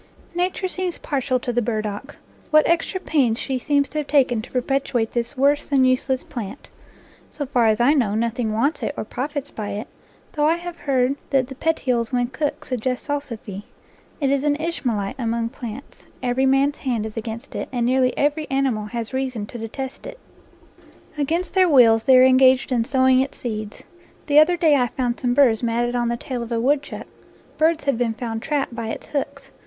Nature seems partial to the burdock. What extra pains she seems to have taken to perpetuate this 7 NATURE LORE worse than useless plant ! So far as I know, nothing wants it or profits by it, though I have heard that the petioles when cooked suggest salsify. It is an Ishmaelite among plants. Every man's hand is against it, and nearly every animal has reason to detest it. Against their wills they are engaged in sowing its seeds. The other day I found some burrs matted on the tail of a woodchuck. Birds have been found trapped by its hooks.